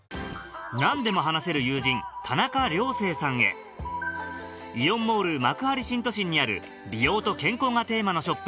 何でも話せる友人田中涼星さんへイオンモール幕張新都心にある美容と健康がテーマのショップ